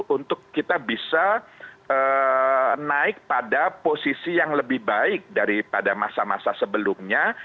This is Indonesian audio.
untuk kita bisa naik pada posisi yang lebih baik daripada masa masa sebelumnya